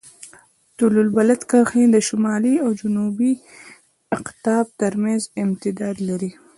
طول البلد کرښې شمالي او جنوبي اقطاب ترمنځ امتداد لري.